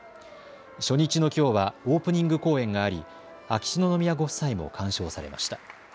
初日のきょうはオープニング公演があり秋篠宮ご夫妻も鑑賞されました。